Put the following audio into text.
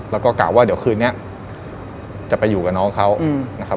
แล้วก็กะว่าเดี๋ยวคืนนี้จะไปอยู่กับน้องเขานะครับ